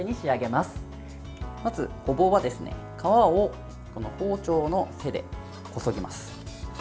まず、ごぼうは皮を包丁の背でこそぎます。